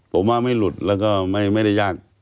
ผมว่าไม่หลุดแล้วก็ไม่ได้ยาก